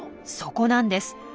そこなんです。